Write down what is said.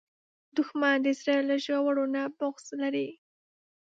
دښمن د زړه له ژورو نه بغض لري